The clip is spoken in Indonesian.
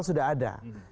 itu udah ada